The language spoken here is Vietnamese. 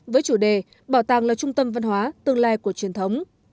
với chủ đề bảo tàng là trung tâm văn hóa tương lai của truyền thống